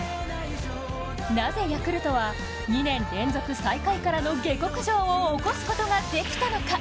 なぜヤクルトは２年連続最下位からの下克上を起こすことができたのか。